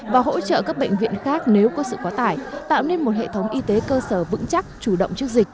và hỗ trợ các bệnh viện khác nếu có sự quá tải tạo nên một hệ thống y tế cơ sở vững chắc chủ động trước dịch